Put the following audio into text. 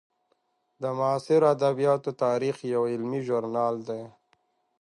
د معاصرو ادبیاتو تاریخ یو علمي ژورنال دی.